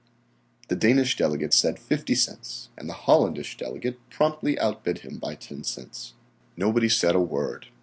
The Danish delegate said 50 cents and the Hollandish delegate promptly outbid him by 10 cents. Nobody said a word.